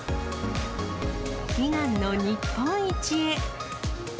悲願の日本一へ。